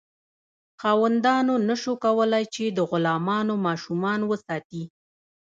خاوندانو نشو کولی چې د غلامانو ماشومان وساتي.